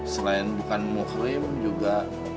selain bukan mukrim juga